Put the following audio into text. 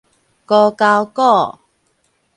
孤鉤股